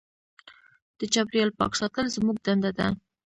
د چاپېریال پاک ساتل زموږ دنده ده.